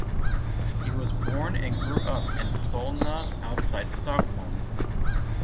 He was born and grew up in Solna outside Stockholm.